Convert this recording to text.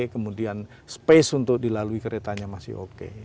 kemudian space untuk dilalui keretanya masih oke